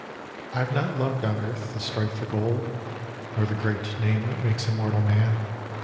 I have not loved on Earth the strife for gold, Nor the great name that makes immortal man.